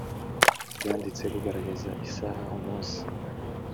bwanditse bugaragaza isaha umunsi